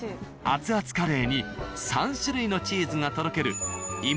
熱々カレーに３種類のチーズがとろける。